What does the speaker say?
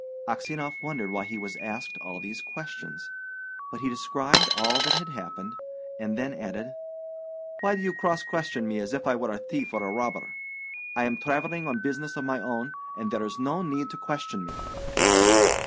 Aksionov wondered why he was asked all these questions, but he described all that had happened, and then added, "Why do you cross question me as if I were a thief or a robber? I am travelling on business of my own, and there is no need to question me."